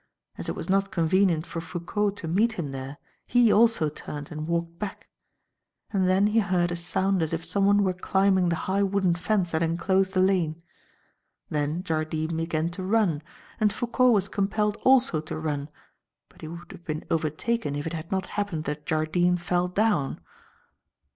As it was not convenient for Foucault to meet him there, he also turned and walked back; and then he heard a sound as if someone were climbing the high wooden fence that enclosed the lane. Then Jardine began to run, and Foucault was compelled also to run but he would have been overtaken if it had not happened that Jardine fell down.